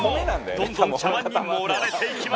どんどん茶碗に盛られていきます。